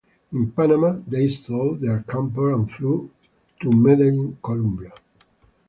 In Panama, they sold their camper and flew to Medellin, Colombia.